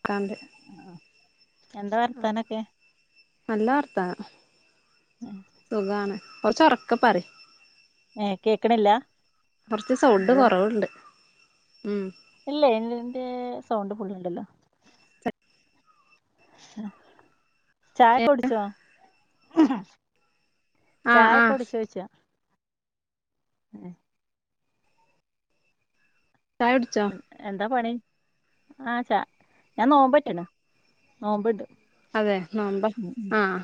ഉക്ക [unintelligible] എന്താ വർത്താനം ഒക്കെ നല്ല വർത്താനം സുഖാണ് കൊറച്ച് ഉറക്കെ പറയ് ഏ കേക്കണില്ല കൊറച്ച് സൗഡ് കൊറവുണ്ട് ഉം ഇല്ല ഇന്റെ സൗണ്ട് ഫുള്ള് ഉണ്ടല്ലൊ അ [unintelligible] ചായയൊക്കെ കുടിച്ചോ ആഹ് ചായ ആഹ് കുടിചോ ചോദിച്ചയാ ആഹ് ചായ കുടിച്ചോ എന്താ പണി ആ ചാ ഞാൻ നോമ്പോറ്റണ് നോമ്പ്ണ്ട് അതെ നോമ്പാ ആഹ്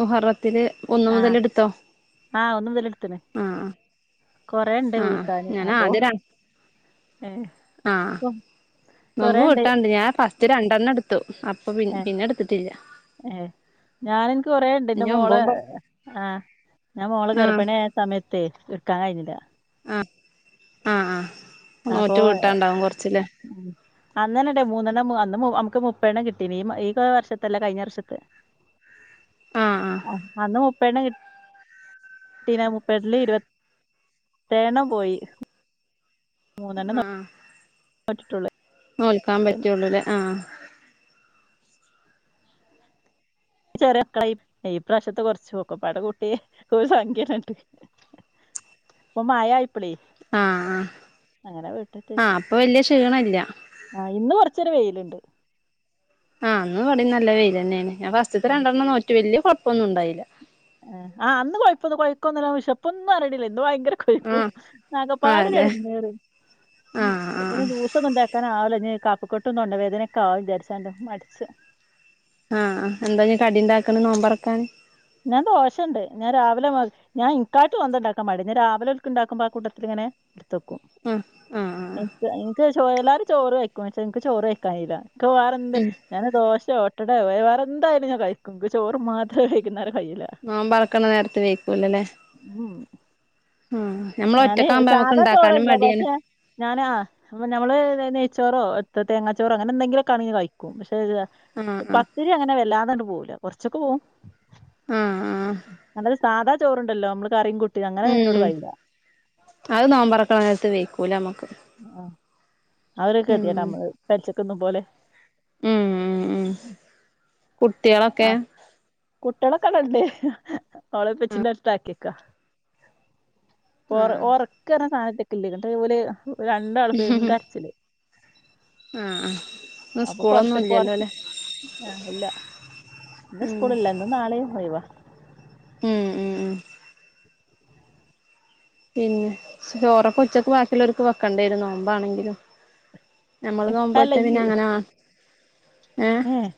മുഹറത്തിന് ഒന്നു മുതൽ എടുത്തോ ആഹ് ഒന്ന് മുതൽ എടുത്തടെ ആഹ് ഞാനാദ്യം ഏ [unintelligible] ആഹ് നോമ്പ് കൊറേണ്ട് വീട്ടാണ്ട് ഞാൻ ഫസ്റ്റ് രണ്ടെണ്ണം എടുത്തു പി പിന്നെ എട്ത്തിട്ടില്ല ഏഹ് ഞാൻ എൻക്ക് കൊറേണ്ട് എന്റെ ഇനി മോള് ഒമ്പതും പ ആഹ് ഞാൻ മോള് ആഹ് ഗർഭിണിയായ സമയത്തെ എടുക്കാൻ കഴിഞ്ഞില്ല ആ ആഹ് ആഹ് നോറ്റ് വീട്ടാനുണ്ടാവും കൊറച്ച് ഇല്ലേ ഉം അന്ന് തന്നെ ഉണ്ടേ മൂന്നെണ്ണം നമക്ക് മുപ്പെണ്ണം കിട്ടീ ഈ ഈ വർഷത്തല്ല കഴിഞ്ഞ വർഷത്തയ [inaudible] ആഹ് ആഹ് ആഹ് അന്ന് മൂപ്പെണ്ണം കിട്ടി പട്ടന [unintelligible] മുപ്പട്ടില് ഇരുപത്തെഴെണ്ണം പോയി മൂന്നെണ്ണം നി ആഹ് പറ്റിട്ടൊള്ളു നോൽക്കാൻ പറ്റുള്ളൂല്ലേ ആഹ് ചെറിയ മക്കളായിട്ടില്ലേ ഇപ്രാവശ്യത്തെ കൊറച്ചു നോക്കും ഒക്കെ പാടെ കൂട്ടി ഒരു സഖ്യ തന്നെ ഉണ്ട് [inaudible] ഇപ്പൊ മയായപ്പളെ ആഹ് ആഹ് അങ്ങനെ വിട്ടിട്ട്- ആഹ് അപ്പൊ വല്യ ക്ഷീണല്ല ആഹ് ഇന്ന് കൊറച്ചൊരു വെയിലിണ്ട് ആഹ് ഇന്നു ഇവിടേം നല്ല വെയില് തന്നെയാണ് ഞാൻ ഫസ്റ്റ്ത്തെ രണ്ടെണ്ണം നോറ്റു വല്ല്യേ കൊഴപ്പൊന്നും ഉണ്ടായില്ല ആ അന്ന് കൊഴപ്പൊന്ന് കൊഴപ്പൊന്നും വിശപ്പൊന്നും അറിയിണില്ലെന്നു ഇന്ന് ഭയങ്കര- ആഹ് [unintelligible] ആഹ് ഇന്നകാപാടെ ല്ലേ എടങ്ങേറ് ആഹ് ആഹ് ഇപ്പൊന്നും ഉണ്ടാക്കാനാ [unintelligible] ള് ഇഞ്ഞ് കഫകെട്ടും തൊണ്ടവേദനൊക്കെ ആവും വിചാരിച്ചാണ്ട് മടിച്ച് ആഹ് ആഹ് എന്താ പിന്നെ കടി ഉണ്ടാക്കണെ നോമ്പ് തൊറക്കാൻ ഞാൻ ദോശയിണ്ട് ഞാൻ രാവിലെ- ഞാൻ ഇനിക്കായിട്ട് സ്വന്തണ്ടാക്കാൻ മടി ഞാൻ രാവിലെ ഓല്ക്ക ഉണ്ടാക്കുമ്പോ ആ കൂട്ടത്തില ഇങ്ങനെ എടുത്തു വക്കും ആഹ് ആഹ് ആഹ് എനി ഇനിക്ക് ചോ എല്ലാരും ചോറ് വയ്ക്കും ഇൻക്ക് ചോറ് കയ്ക്കാൻ കഴിയൂല ഇൻക്ക് വേറെ എന്ത്- ഞാൻ ദോശയോ ഓട്ടടായോ വേറെ എന്തായാലും ഞാൻ കഴിക്കും എനിക്ക് ചോറ് മാത്രേ കഴിക്കുന്ന കഴിയില്ല നോമ്പറക്കണ നേരത്ത് വെയ്ക്കുവല്ലേ ല്ലേ ഉം. ആഹ് ഞമ്മള് ഒറ്റക്കാവുമ്പോ നമ്മക്ക്ണ്ടാക്കാനും മടിയാണ് ഞാനാ ഞമ്മള് നെയ്ച്ചോറോ എന്ത്‌ തേങ്ങാച്ചോറോ അങ്ങനെ എന്തെങ്കിലൊക്കണേലും കഴിക്കും പക്ഷെ ആഹ് ആഹ് പത്തിരി അങ്ങനെ വെല്ലാതാണ്ട് പോവൂലാ കൊറച്ചൊക്കെ പോവും ആഹ് ആഹ് നല്ലൊരു സാധ ചോറ്ണ്ടല്ലോ നമ്മള് കറിയും കുട്ടി അങ്ങനെ ഇന്നോട് ഉം കഴിയൂല്ലാ അത് നോമ്പൊറക്കണ നേരത്ത് വെയ്ക്കൂലാമ്മക്ക് ആഹ് അതൊരു ഗതികേടാ നമ്മള് പച്ചക്ക്ന്നും പോലെ ഉം ഉം ഉം കുട്ട്യേളൊക്കെ കുട്ട്യേളെക്കെ [unintelligible] ഓളെ ഉപ്പച്ചീൻ്റെടുത്ത് ആക്കിക്കാ ഒറ ആഹ് ഒറക്ക് പറഞ്ഞ സാന [unintelligible] ഇന്നിട്ട് ഓല് രണ്ടാളും പെരും കരച്ചില് ആഹ് ആഹ് ഇന്ന് അപ്പൊ പൊറത്ത് സ്കൂളൊന്നുല്ലല്ലോ പൊറത്ത് ല്ലേ സ്കൂളില്ലാ ഇന്നും നാളെയും ഒയിവാ ഉം ഉം പിന്നെ ചോറൊക്കെ ഉച്ചക്ക്‌ ബാക്കിള്ളോര്ക്ക് വെക്കണ്ടിയെരും നോമ്പാണെങ്കിലും ഞമ്മള് അല്ല നോമ്പോറ്റ് പിന്നെ അങ്ങനാ ഏഹ് ഏഹ്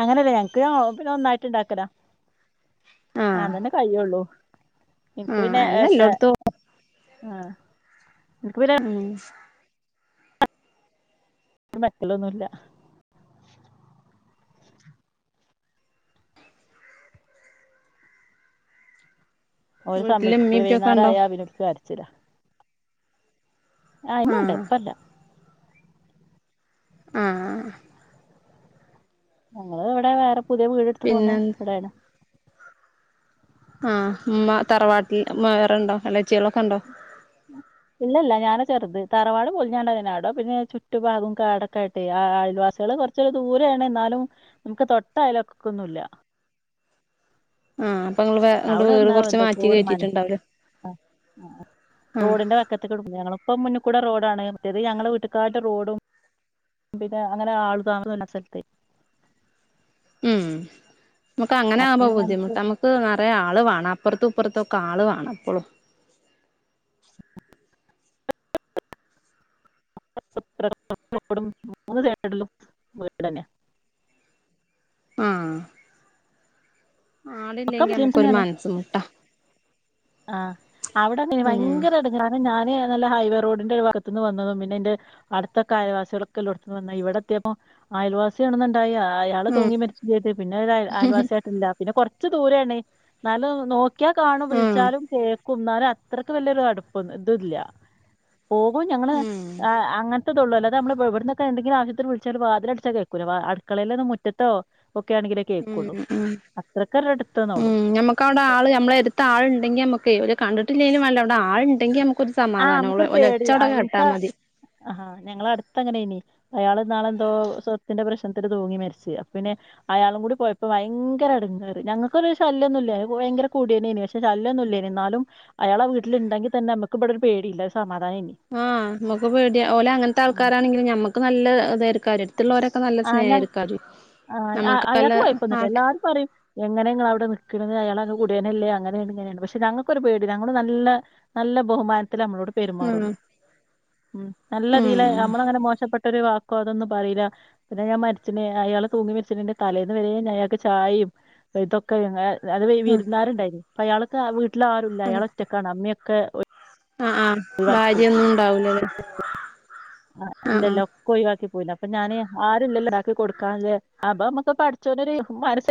അങ്ങനെല്ലാ ഞങ്ങക്ക് പിന്നെ ഒന്നായിറ്റ്ണ്ടാക്കലാ ആഹ് അതന്നെ കയ്യോള്ളൂ ഇനിക്ക് ആഹ് പിന്നെ അയെന്നെ എല്ലോട്ത്തും [unintelligible] ആഹ് ഇൻക്ക് പിൻ ഉം [unintelligible] ലൊന്നുല്ലാ ഓല് വീട്ടില് ഇമ്മീം സമ്മയ്ക്കൂലാ ഇപ്പിയൊക്കെ ഉണ്ടോ വെയ്ന്നേരായാ പിന്നെ ഓലിക്ക് കരച്ചിലാ ആഹ് ഇമ്മണ്ട് ഇപ്പെല്ലാ ആഹ് ആഹ് ഞങ്ങള് ഇവിടെ വേറെ പുതിയ വീടെടുത്ത് പോന്ന് പിന്നെ ഇവിടെയാണ് ആഹ് ഉമ്മ തറവാട്ടിൽ വേറെണ്ടോ എളേച്ചികളൊക്കെ ഇണ്ടോ ഉം ഇല്ല ഇല്ലാ ഞാനാ ചെറുത് തറവാട് പൊളിഞ്ഞാണ്ടാ ആടെ പിന്നെ ചുറ്റു ഭാഗം കാടൊക്കൊ ആയിട്ടെ ആഹ് ആഹ് അയൽവാസികള് കൊറ ച്ചൊക്കെ ദൂരാണ് ഇന്നാലും നമ്മക്ക് തൊട്ടയൽ ലൊക്കൊന്നുല്ലാ ആഹ് അപ്പോ ഇങ്ങള് വേ ഇങ്ങട്ട് അവിടെ വീട് ഒന്നാവ കൊറച്ച് എന്തൊക്കൊ മാറ്റി ഒര് മനസ്സ് കേറ്റിട്ടുണ്ടാവുല്ലേ ആഹ് ആഹ് ആഹ് [unintelligible] [unintelligible] ഇപ്പം മുന്നുക്കൂടെ റോഡാണ് മറ്റേത് ഞങ്ങളെ വീട്ട്ക്കായിട്ട് റോഡും പിന്നെ അങ്ങനെ ആള് താമസ [unintelligible] സ്ഥലത്തെ ഉം നമ്മക്ക് അങ്ങനെ അപ്പൊ ആവുമ്പോ പിന്നെ ഞങ്ങൾക്ക് ബുദ്ധിമുട്ടാ നമ്മക്ക് ക്ക് നെറയെ ആള് വേണം അപ്പർത്തു ഇപ്പർത്തൊക്കെ ആള് വേണം എപ്പളും [unintelligible] വീടെന്നെയാ ആഹ് ഒക്കെ ആളില്ലെങ്കി മുസ്ലിംസ് നമ്മക്കൊരു തന്നെയാണ് മനസ്സ് മുട്ടാ ആഹ് അവിടങ്ങനെയാ ഉം ഭയങ്കര എടങ്ങേറാ കാരണം ഞാന് നല്ല ഹൈവേ റോഡിന്റെ ഒരു ഭാഗത്ത്ന്ന് വന്നതും പിന്നെ ഇന്റെ അടുത്തൊക്കെ അയൽവാസികളൊക്കെള്ളേടത്ത്ന്ന് വന്നതാ ഇവിടെത്തിയപ്പോ അയൽവാസിയാണെന്ന്ണ്ടായ ആ യാള് ഉം തൂങ്ങി മരിച്ചും ചെയ്ത് പിന്നെ ആരും ആയൽവാസി ആയിട്ടില്ലാ പിന്നെ കൊറച്ച് ദൂരെയാണ് എന്നാലും നോക് ക്കിയാ കാണും വി ഉം ക്കുന്നാലും അത്രയ്ക്ക് വെല്ല്യൊരു അടുപ്പൊ ഇത് ഇല്ലാ പോകും ഞങ്ങള് ഉം ആഹ് അങ്ങനത്തതെ ഒള്ളൂ അല്ലാതെ നമ്മള് ഇവിട്ന്നൊക്കെ എന്തെങ്കിലും ആവിശ്വത്തിന് വിളിച്ചാ വാതില് അടച്ചാ കേക്കൂലാ വാ അടുക്കളെൽന്നേ മുറ്റത്തോ ഒക്കെ ആണെങ്കിലേ കേക്കുള്ളൂ ഉം അത്രക്കര് അടുത്ത്ന്നേള്ളൂ ക്കെ അവിടെ ആള് നമ്മളെ എടുത്ത് ആളുണ്ടെങ്കി നമ്മക്കെ ഒരു കണ്ടിട്ടില്ലെങ്കും വേണ്ടില്ലാ അവിടെ ആള് ഇണ്ടെങ്കി നമ്മ ഒരു ആഹ് സമാധാനം നമുക്കൊരു ഓന്റെ പേടി ഒച്ചയവടെ കേട്ടാൽ മതി ആഹ് ഞങ്ങള് അടുത്ത് അങ്ങനേണീ അയാള് ഇന്നാളെന്തോ സ്വത്തിന്റെ പ്രശ്നത്തിന് തൂങ്ങി മരിച്ചു അപ്പൊ പിന്നെ അയാളും കൂടി പോയപ്പോ ഭയങ്കര എടങ്ങേറ് ഞങ്ങക്കൊരു ശല്യൊന്നും ഇല്ല ഭയങ്കര കുടിയനാന്നു പക്ഷെ പക്ഷെ ശല്ല്യൊന്നുമില്ലാരുന്നു എന്നാലും അയാളെ വീട്ടിലുണ്ടെങ്കി തന്നെ നമുക്ക് ഇവിടെ ഒരു പേടിയില്ല ഒരു സമാധാനം ഏനി ആഹ് നമുക്ക് പേടിയ ഓല് അങ്ങനത്തെ ആൾക്കാരാണെങ്കിലും ഞമ്മക്ക് നല്ല ഇതാക്കാരു മറ്റുള്ളവരൊക്കെ നല്ല ആ ഞ സ്നേഹരക്കാ നമുക്ക് നല്ല ആഹ് അത് പറയും എങ്ങനെ നിങ്ങള് അവിടെ നിക്കണത് അയാൾ കുടിയനല്ലേ അങ്ങനെ ഇങ്ങനെയാണ് പക്ഷെ ഞങ്ങക്കൊരു പേടിയില്ല ഞങ്ങള് നല്ല നല്ല ബഹുമാനത്തില് നമ്മളോട് ഉം പെരുമാറുള്ളൂ നല്ലയിതീല് ഉം നമ്മള് അങ്ങനെ മോശപ്പെട്ടൊരു വാക്കോ അതൊന്നും പറയില്ല പിന്നെ ഞാൻ മരിച്ചിന് അയാള് തൂങ്ങി മരിച്ചേന്റെ തലേന്ന് വരെ അയാൾക്ക് ചായയും ഇതൊക്കെ അത് ആഹ് വിരുന്നാരുണ്ടായിരുന്നു അയാൾക്ക് വീട്ടിൽ ആരും ഇല്ല അയാള് ഒറ്റക്കാണ് അമ്മയൊക്കെ ആഹ് ആഹ് ഭാര്യൊന്നും ഉണ്ടാവൂലല്ലേ ആഹ് ആഹ് കോയിവാക്കി പോയിന്ന അപ്പൊ ഞാന് ആരൂല്ലല്ലോ അയാക്ക് കൊടുക്കാല്ലേ അപ്പൊ നമ്മുക്ക് പഠച്ചോനൊരു മനസ്സ്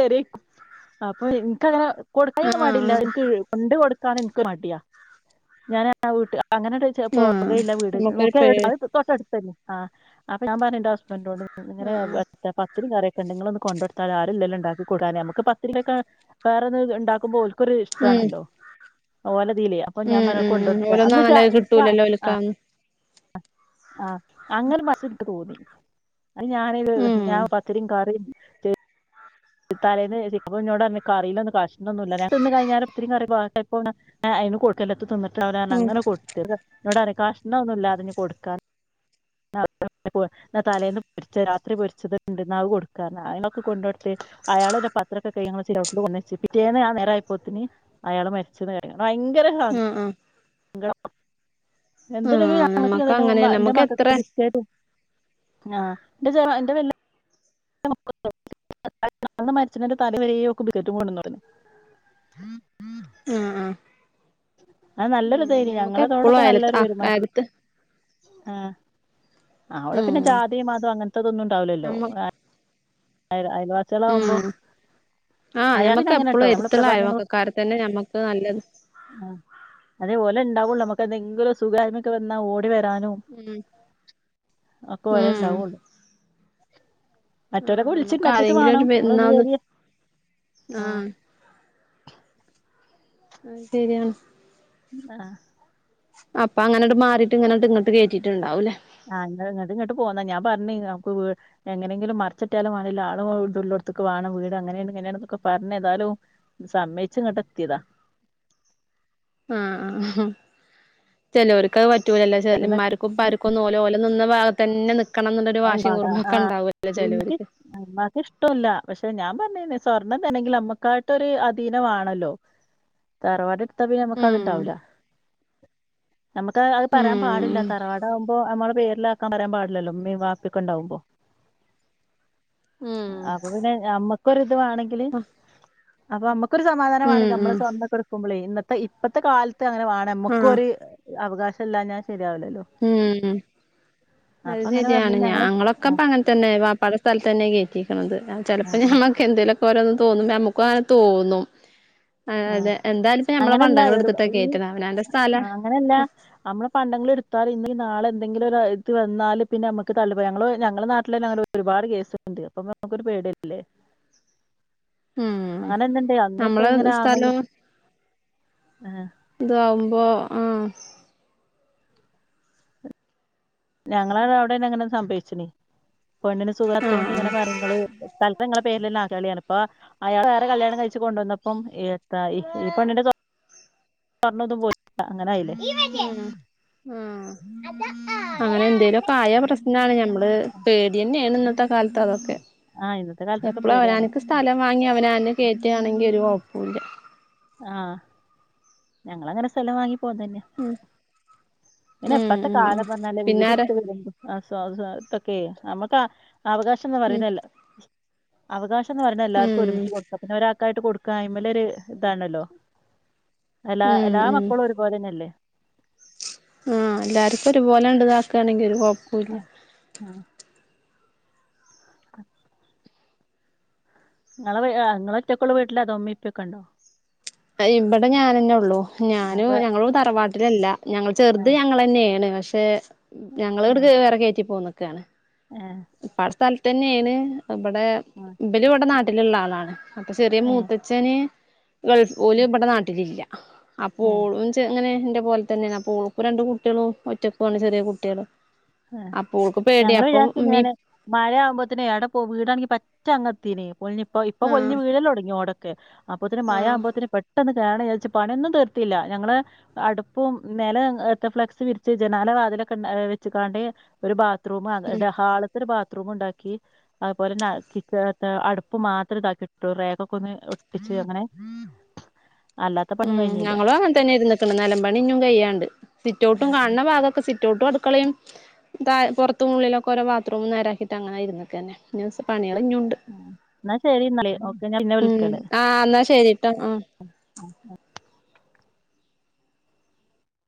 അപ്പൊ എനിക്കത് കൊടുക്കാന് ആഹ് ഒരു ആഹ് മടിയില്ല ആഹ് എനിക്ക് കൊണ്ട് കൊടുക്കാന് എനിക്ക് മടിയാ ഞാൻ ആഹ് വീട്ടി അങ്ങനെ ആഹ് പോകയില്ല വീട് നമുക്കൊരു നോക്കിയ പേ ഇവിടു തൊട്ടടുത്തന്നെ ആഹ് അപ്പൊ ഞാൻ പറഞ്ഞു എന്റെ ഹസ്ബന്റിനോട് അങ്ങനെ ആഹ് പത്തിരിം കറിയൊക്കെ ഉണ്ട് നിങ്ങള് ഒന്ന് കൊണ്ട് കൊടുത്താണ് ആരുല്ലല്ലോ ഉണ്ടാക്കികൊടുക്കാന് നമുക്ക് പത്തിരിക്കൊക്കെ വേറെ ഒന്ന് ഉണ്ടാക്കുമ്പോ ഓൽ ഉം ഇഷ്ടമാണല്ലോ ഓലതില അപ്പൊ ഞാൻ ഉം പറ ഉം കൊണ്ടു ഉം കൊടുത്താ ഓലൊന്നും എന്ന് അങ്ങനെ വെച്ചാ കിട്ടൂലല്ലോ ഓൽക്കാന്ന് ആഹ് അങ്ങനെ ബസ്സിൻക് തോന്നി അത് ഞാന ഉം ഞാ പത്തരിം കറിം ചെ തലേന്ന് ചിക്കൻ അപ്പന്നോട് പറഞ്ഞ് കറിയില്ലൊന്നും കഷ്ണൊന്നുല്ലാ തിന്ന് കഴിഞ്ഞാരെ പത്തിരിം കറിം ബാക്കിയായപ്പോ ഞാൻ അയിന് കൊടുക്കല്ലെത്തും തിന്നിട്ടിണ്ടാവൂലറഞ്ഞ് ഉം അങ്ങനെ കൊടുത്ത് എന്നോടറിയും കഷ്ണൊന്നുല്ലാതെ ഇഞ്ഞി കൊടുക്കാൻ [inaudible] എന്നാ തലേന്ന് പൊരിച്ചാ രാത്രി പൊരിച്ചതുണ്ട് എന്ന അത് കൊടുക്കാ പറഞ്ഞ് അയിനൊക്കെ കൊണ്ട് കൊടുത്ത് അയാളന്നെ പാത്രൊക്കെ കഴുകി ഞങ്ങളെ സിറ്റ ട്ടില് കൊണ്ടെന്നെച്ച് പിറ്റേന്ന്ആഹ് നേരായപ്പോത്തിന് അയാള് മരിച്ചെന്ന് കേട്ട് ഭയങ്കര ആഹ് ആഹ് സങ്കടം എന്തുണ്ടെങ്കിലും ആഹ് ഞങ്ങക്ക് നമ്മക്ക് അങ്ങനെ തരണ എന്റെ നമ്മക്ക് മക്കക്ക് എത്ര ഇപ്പൊ ബിസ്കറ്റും ആഹ് എന്റെ ചെറിയ എന്റെ വല്യ [inaudible] മരിച്ചതിന്റെ തലേ വരെ ഓൾക്ക് ബിസ്ക്കറ്റും കൊണ്ടുന്ന് പറഞ്ഞു ആഹ് ആഹ് അത് ഉം നല്ലൊരിതേനി ഞമ്മക്ക് എപ്പളും ഞങ്ങളതോടൊക്കെ അയലത്ത് നല്ലൊരു ആഹ് പെരുമാറ്റം അയലത്ത് ആഹ് അവിടെ പിന്നെ ഉം ജാതീം മാതോം അങ്ങനത്തേതൊന്നും ഉണ്ടാവില്ലല്ലോ നമ്മ അയൽ അയൽവാസിയാളവു ഉം ആഹ് ഞമ്മക്ക് എപ്പളും അങ്ങനെട്ടോ നമ്മള് എടുത്തുള്ള പ്രഭാതങ്ങൾ അയൽവക്കക്കാരത്തന്നെ ഞമ്മക്ക് നല്ലത് അതേ ഓലെ ഉണ്ടാവൊള്ളൂ നമ്മക്ക് എന്തെങ്കിലൊസുഖോം കാര്യൊക്കെ വന്ന ഓടി വരാനും ഉം ഒക്കെ ഓലെ ഉം ഉണ്ടാവൊള്ളൂ ആഹ് നമ്മക്ക് വിളിച്ചിണ്ടാക്കിട്ട് വേണം നമ്മളൊന്ന് ആരെങ്കിലൊരുവെന്നാന്ന് വരി ആഹ് അയ്ശെരിയാണ് ആഹ് അപ്പങ്ങനട്ട് മാറീട്ട് ഇങ്ങനട്ട് ഇങ്ങട്ട് കേറ്റീട്ട്ണ്ടാവും ഇല്ലേ ആഹ് എന്നട്ട് ഇങ്ങട്ട് പോന്നാ ഞാൻ പറഞ്ഞ് നമുക്ക് വീ എങ്ങനെങ്കിലും മറിച്ചിട്ടാലും വേണ്ടില്ല ആളും ഇതും ഉള്ളോടുത്തക്ക് വാണം വീട് അങ്ങനെണിങ്ങനേണ്ന്നൊക്കെ പറഞ്ഞ് ഏതാലും സമയിച്ചിങ്ങട്ട് എത്തിയതാ ആഹ് ആഹ് ചെലോർക്ക് അത് പറ്റൂലല്ലോ പെട്ടെന്ന് ഇമ്മാർക്കും ഇപ്പാര്ക്കൊന്നും ഓല് ഓലെ നിന്ന ഭാഗത്തന്നെ നിക്കണംന്നുള്ളൊരു വാശിം ആ കുറുമ്പൊ ക്കെണ്ടാവൂല്ലോ ചെലോര്ക്ക് ഇമ്മാക്ക് ഇഷ്ട്ടൊല്ല പക്ഷെ ഞാൻ പറഞ്ഞിനി സ്വർണ്ണം തരണെങ്കി ഞമ്മക്കായിട്ടൊരു അധീനം വാണല്ലോ തറവാടെട്ത്താ പിന്നെ ഉം ഞമ്മക്കത്ണ്ടാവൂല ഞമ്മക്ക പറയാൻ ഉം പാടില്ല തറവാടാകുമ്പോ അമ്മളെ പേരിലാക്കാൻ പറയാൻ പാടില്ലല്ലോ ഇമ്മീം വാപ്പെക്കെണ്ടാവുമ്പോ അപ്പൊ ഉം പിന്നെ ഞമ്മക്കൊരിത് വാണെങ്കില് അപ്പൊ അമ്മക്കൊരു സമാധാനം വാണെങ്കി അമ്മളെ ഉം സ്വർണൊക്കെ എടുക്കുമ്പളേ ഇന്നത്തെ ഇപ്പത്തൊ കാലത്ത് അങ്ങനെ വാണം ആഹ് ഞമ്മക്കൊര് അവകാശല്ലാഞ്ഞാ ശരിയാവില്ലല്ലോ ഉം അത് അങ്ങനെ പറഞ്ഞ് ശരിയാണ് ഞങ്ങള് ആഹ് ഞങ്ങളൊക്കെപ്പങ്ങന തന്നെ വാപ്പാടെ സ്ഥലത്തന്നെ കേറ്റിക്കണത് ചെലപ്പോ ആഹ് ഞമ്മക്കെന്തെലൊ ഓരോന്ന് തോന്നുമ്പൊ ഞമ്മക്കും അങ്ങനെ തോന്നും ആഹ് അതെ എന്തായാലുപ്പം ഞമ്മളെ അങ്ങനല്ല പണ്ടങ്ങളെടുത്തിട്ട കേറ്റ്ണെ അവനാന്റെ സ്ഥല അതല്ല അമ്മളെ പണ്ടങ്ങള് എടുത്താലും ഇന്നല്ലെ നാളെ എന്തെങ്കിലും ഒരിത് വന്നാല് പിന്നെ അമ്മക്ക് തള്ള് ഇപ്പൊ ഞങ്ങള് ഞങ്ങളെ നാട്ടിലങ്ങനൊ ഒരുപാട് കേസ്ണ്ട് അപ്പൊ ഞമ്മക്കൊരു പേടിയല്ലേ ഉം അങ്ങനൊന്ന്ണ്ട് നമ്മളെ അന്ന്പ്പങ്ങനെ ആങ്ങള സ്ഥലവും ആഹ് ഇതാവുമ്പോ ആഹ് ഞങ്ങളവിടെന്നെ ഇങ്ങനെ സംഭവച്ചിനി പെണ്ണിന് ആഹ് സുഖല്ലാത്തോണ്ട് ആഹ് ഇങ്ങനെ പറയും ഇങ്ങള് തൽ ക്കാലം ഇങ്ങളെ പേരിലന്നെ ആക്കിയാളി പറഞ്ഞ് ഇപ്പൊ അയാള് വേറെ കല്യാണം കഴിച്ച് കൊണ്ടുവന്നപ്പംഎത്തായി ഈ പെണ്ണിന്റെ സ്വർ ണതും പോയില്ലെ അങ്ങനായില്ലേ ആഹ് അങ്ങനെന്തെലൊക്കെ ആയ പ്രശ്നാണ് ഞമ്മള് പേടിയെന്നേണ് ഇന്നത്തെ കാലത്ത വസ്ഥേ ആ ഇന്നത്തെ കാലത്തൊക്കെ എപ്പഴും പേടിയാണ് അവനാന്ക്ക് സ്ഥലം വാങ്ങി അവനാനെന്നെ കെറ്റാണെങ്കി ഒരു കൊഴപ്പുല്ല ആഹ് ഞങ്ങളങ്ങനെ സ്ഥലം വാങ്ങി പോന്നന്നെ പിന്നെ ഉം ഇപ്പത്തെ ഉം ഉം കാലന്ന് പറഞ്ഞാലേ പിന്നാരെ വീടെടുത്ത് വരുമ്പോ അസ്വസ്വതക്കെ നമ്മക്ക് അവകാശംന്ന് ഉം പറയുന്നല്ല അവകാശ ന്ന് പറയന്നത് ഉം എല്ലാവർക്കും ഒരുമിച്ച് കൊട്ത്താ പിന്നെ ഒരാൾക്കായട്ട് കൊടുക്ക അയ്മേല് ഒരു ഇതാണല്ലോ എല്ലാ ഉം എല്ലാ മക്കളും ഒരുപോലെ തന്നെയല്ലേ ആഹ് എല്ലാര്ക്കും ഒരുപോലെ ആണ്ട് ഇതാക്കയാണെങ്കി ഒരു കൊഴപ്പുല്ല ആഹ് അ [unintelligible] നിങ്ങള് ഒറ്റക്കൊള്ളു വീട്ടില് അതോ ഉമ്മീം ഇപ്പയുക്കെ ഉണ്ടോ ആഹ് ഇവിടെ ഞാനെന്നെ ഉള്ളൂ ആ ഞാനും വേ ഞങ്ങളും തറവാട്ടിലല്ല ഞങ്ങൾ ഏ ചെറുത് ഞങ്ങള് തന്നെയാണ് പക്ഷെ ഞങ്ങള്ട് വേറെ കേറ്റിപ്പോന്നക്കാണ് ഏഹ് ഇപ്പാടെ സ്ഥലത്ത്ന്നെയാണ് തബടെ ആഹ് ഇബര്ഇവിടെ നാട്ടിലുള്ള ആളാണ് അപ്പം ചെറിയ ഏ മൂത്തച്ഛന് ഗൾഫ് ഓലു ഇവിടെ നാട്ടിലില്ല അപ്പോ ഏ ഓള് ഓക്ക്അങ്ങനെ എന്റെ പോലെ തന്നെയാണ് അപ്പോ ഓൾക്ക് രണ്ട് കുട്ടികളും ഒറ്റക്കുവാണ് ചെറിയ കുട്ടികള് ആ അപ്പം ഓക്ക് പേടിയ അപ്പൊ മ്മീം മഴാകുമ്പോത്തിന് അവിടെ പോ വീടാണെങ്കി പറ്റഅങ്ങത്തിന് പൊളിഞ് ഇപ്പ ഇപ്പം ആഹ് പൊളിഞ് വീഴല് തുടങ്ങി ഓടെ അപ്പോത്തിന് മഴ ആഹ് ആകുമ്പോത്തിന് പെട്ടെന്ന് [unintelligible] വിചാരിച് പണിയൊന്നും തീർത്തില്ല ഞങ്ങള് അടുപ്പും നെല ഫ്ലക്സ് വിരിച്ച് ജനാല വാതില ക്ണ്ട വെ വെച്ച്ക്കാണ്ട് ഒരു ബാത്റൂം ഹാള്ത്ത ഒരു ബാത്റൂംണ്ടാക്കി അതുപോലെന്ന കിചന്റെ അടുപ്പ് മാത്രേ ഇതാക്കിട്ടുള്ളൂ റേക്ക് ഒക്കെ ഒന്ന് ഒട്ടിച് അങ്ങനെ [inaudible] ഉം പണിയൊന്നും കഴിഞ്ഞില്ല ഞങ്ങളും അങ്ങനെ തന്നെ ഇരുന്ന്ക്ക്ണ് നിലമ്പണി ഇഞ്ഞും കൈയാണ്ട്, സിറ്റ ഔട്ടും കാണ് ണ ഭാഗക്കെ സി സിറ്റോട്ടും അടക്കളയും ത പെറ്ത്തും ഉള്ളിലൊക്കെ ഓരോ ബാത്റൂം നേരാക്കിട്ട് അങ്ങനെ ഇര്ന്നക്കെന്നെ പണികൾ ഇ ഞ്ഞുണ്ട്. എന്നാ ശരി എന്നാല് ഓക്കെ ഞാൻ പിന്നെ ഉം വിളിക്കണ്ട് ആഹ് എന്നാ ശരിട്ടോ ആഹ് അ ആ